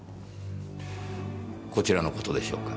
こちらの事でしょうか。